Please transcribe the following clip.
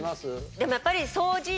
でもやっぱり。